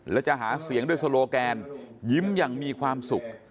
และจะหาเสียงด้วยโซโลแกนยิ้มอย่างมีความสุข